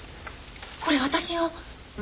これ私よ。